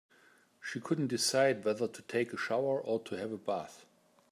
She couldn't decide whether to take a shower or to have a bath.